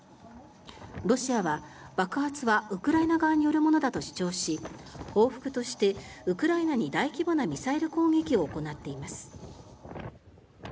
ロシアは爆発はウクライナ側によるものだと主張し報復としてウクライナに大規模なミサイル攻撃を行っています。